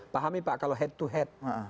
pahami pak kalau head to head